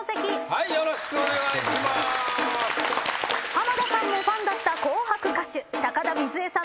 浜田さんもファンだった紅白歌手高田みづえさんの旦那